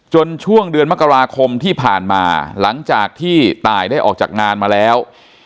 ช่วงเดือนมกราคมที่ผ่านมาหลังจากที่ตายได้ออกจากงานมาแล้ว